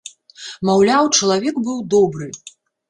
Маўляў, чалавек быў добры.